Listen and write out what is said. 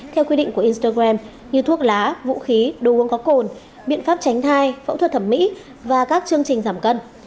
theo quy định của instagram như thuốc lá vũ khí đồ uống có cồn biện pháp tránh thai phẫu thuật thẩm mỹ và các chương trình giảm cân